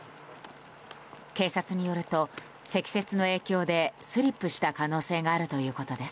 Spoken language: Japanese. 警察によると積雪の影響でスリップした可能性があるということです。